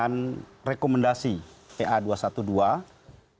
dimana rekomendasi pa dua ratus dua belas yang dipimpin oleh bintang dan bintang